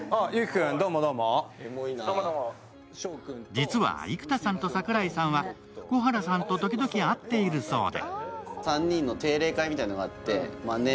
実は生田さんと櫻井さんは小原さんとときどき会っているそうで。